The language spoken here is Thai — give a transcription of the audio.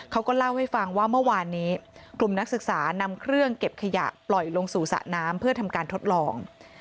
เขาก็เล่าให้ฟังว่าเมื่อวานนี้กลุ่มนักศึกษานำเครื่องเก็บขยะปล่อยลงสู่สระน้ำเพื่อทำการทดลอง